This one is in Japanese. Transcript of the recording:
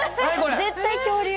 絶対、恐竜！